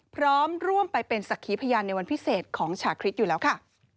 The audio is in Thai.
พร้อมร่วมไปเป็นสักขีพยานในวันพิเศษของฉาคริสต์อยู่แล้วค่ะ